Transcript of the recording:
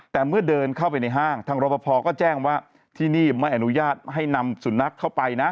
แต่เมื่อเดินเข้าไปในห้างทางรบพอก็แจ้งว่าที่นี่ไม่อนุญาตให้นำสุนัขเข้าไปนะ